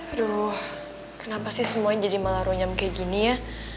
aduh kenapa sih semuanya jadi malah runyam kayak gini ya